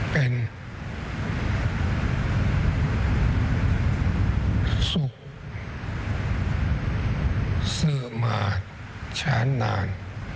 เป็นสุขสื่อมาช้านนาน